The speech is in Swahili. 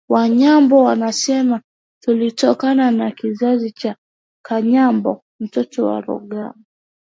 Wanyambo wanasema tulitokana na kizazi cha Kanyambo mtoto wa Ruhanga